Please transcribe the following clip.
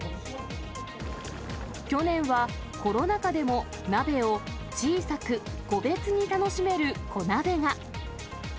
去年はコロナ禍でも鍋を小さく、個別に楽しめる、こなべが。